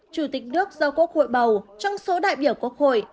chủ tịch nước do quốc hội bầu trong số đại biểu quốc hội